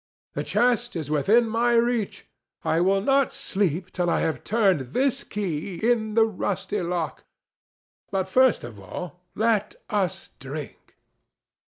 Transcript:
"The chest is within my reach; I will not sleep till I have turned this key in the rusty lock. But first of all let us drink."